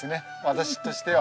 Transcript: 私としては。